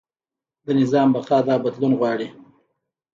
د نظام بقا دا بدلون غواړي.